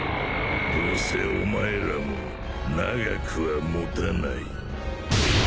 どうせお前らも長くは持たない。